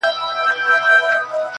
د سېلیو هیبتناکه آوازونه؛